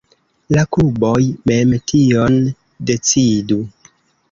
La kluboj mem tion decidu.